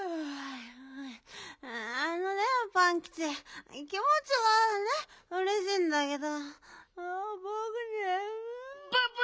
あのねパンキチきもちはねうれしいんだけどぼくねむい。